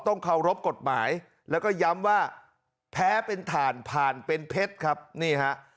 เคารพกฎหมายแล้วก็ย้ำว่าแพ้เป็นถ่านผ่านเป็นเพชรครับนี่ฮะ